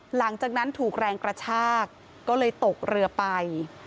หลังจากนั้นถูกแรงกระชากก็เลยตกเรือไป